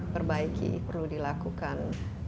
perbaiki perlu dilakukan